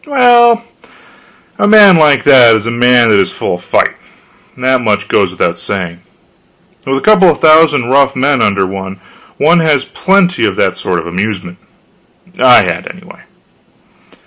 Well, a man like that is a man that is full of fight that goes without saying. With a couple of thousand rough men under one, one has plenty of that sort of amusement. I had, anyway.